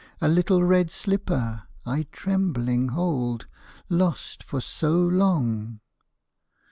A little red slipper I trembling hold. Lost for so long.